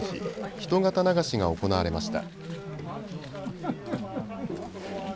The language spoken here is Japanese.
人形流しが行われました。